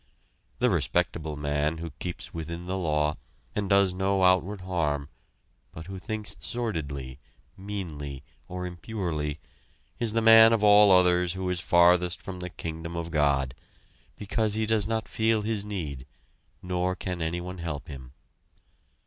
The respectable man who keeps within the law and does no outward harm, but who thinks sordidly, meanly, or impurely, is the man of all others who is farthest from the kingdom of God, because he does not feel his need, nor can anyone help him.